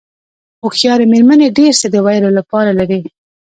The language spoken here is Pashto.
هوښیارې مېرمنې ډېر څه د ویلو لپاره لري.